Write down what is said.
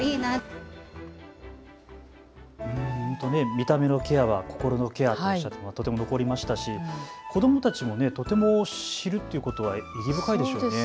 見た目のケアは心のケアとおっしゃっていたのがとても残りましたし子どもたちもとても、知るということが意義深いでしょうね。